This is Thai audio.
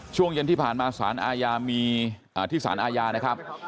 ช่วงเย็นที่ผ่านมาที่สารอาญานะครับ